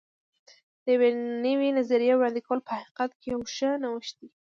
د یوې نوې نظریې وړاندې کول په حقیقت کې یو ښه نوښت دی.